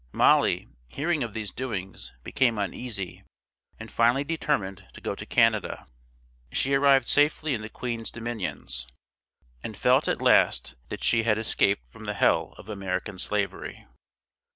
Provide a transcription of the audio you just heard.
Molly, hearing of these doings, became uneasy, and finally determined to go to Canada. She arrived safely in the Queen's Dominions, and felt at last that she had escaped from the hell of American Slavery.